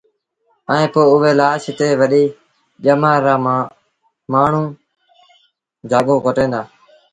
ائيٚݩ پو اُئي لآش تي وڏيٚ ڄمآر رآ مآڻهوٚٚݩجآڳو ڪٽين دآ